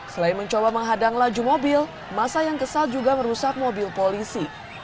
selain mencoba menghadang laju mobil masa yang kesal juga merusak mobil polisi